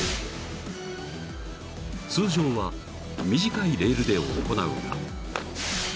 ［通常は短いレールで行うが］